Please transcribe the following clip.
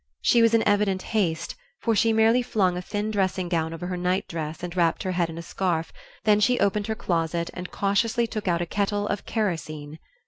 She was in evident haste, for she merely flung a thin dressing gown over her night dress and wrapped her head in a scarf; then she opened her closet and cautiously took out the kettle of kerosene.